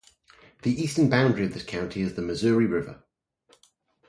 The eastern boundary of this county is the Missouri River.